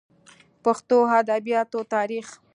پښتو ادبياتو تاريخ